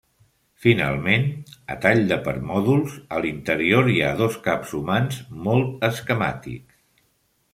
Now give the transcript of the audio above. Finalment, a tall de permòdols, a l'interior hi ha dos caps humans molt esquemàtics.